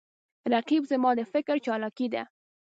رقیب زما د فکر چالاکي ده